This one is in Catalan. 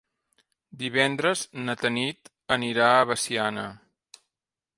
Divendres na Tanit anirà a Veciana.